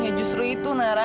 ya justru itu nara